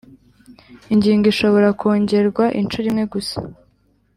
ingingo ishobora kongerwa inshuro imwe gusa